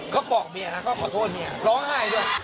เขาบอกเมียนะก็ขอโทษเมียร้องไห้ด้วย